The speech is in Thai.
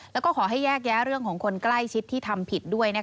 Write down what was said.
แล้วก็ขอให้แยกแยะเรื่องของคนใกล้ชิดที่ทำผิดด้วย